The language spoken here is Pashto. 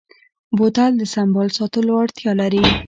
بوتل د سنبال ساتلو اړتیا لري.